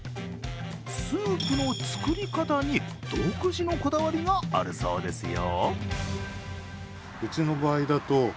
スープの作り方に独自のこだわりがあるそうですよ。